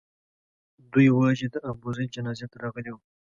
دوی وو چې د ابوزید جنازې ته راغلي وو.